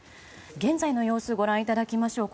現在の様子ご覧いただきましょう。